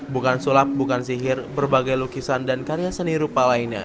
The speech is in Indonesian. bukan sulap bukan sihir berbagai lukisan dan karya seni rupa lainnya